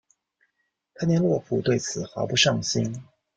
佩内洛普对此毫不上心。